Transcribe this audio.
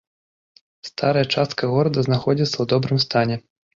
Старая частка горада знаходзіцца ў добрым стане.